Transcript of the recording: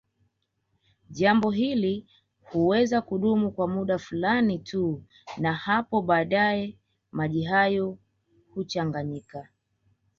Jambo hili huweza kudumu kwa muda fulani tu na hapo baadaye maji hayo huchanganyika